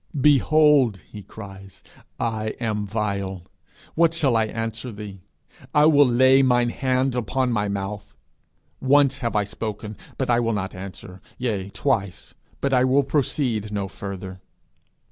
'Behold,' he cries, 'I am vile; what shall I answer thee? I will lay mine hand upon my mouth. Once have I spoken; but I will not answer: yea, twice; but I will proceed no further.'